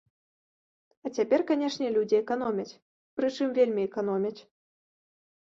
А цяпер, канешне, людзі эканомяць, прычым вельмі эканомяць.